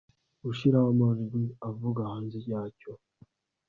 Gushiraho amajwi avuga hanze yacyo